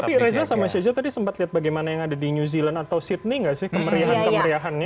tapi reza sama shajo tadi sempat lihat bagaimana yang ada di new zealand atau sydney nggak sih kemeriahan kemeriahannya